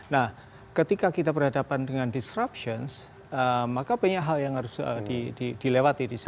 nah ketika kita berhadapan dengan disruption maka banyak hal yang harus dilewati di sana